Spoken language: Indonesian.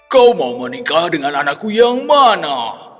kau mau menikah dengan anakku yang mana